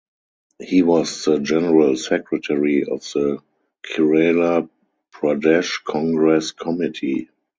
He was the general secretary of the Kerala Pradesh Congress Committee.